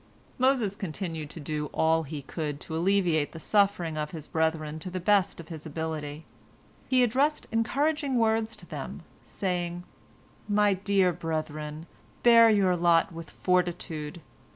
" Moses continued to do all he could to alleviate the suffering of his brethren to the best of his ability. He addressed encouraging words to them, saying: "My dear brethren, bear your lot with fortitude!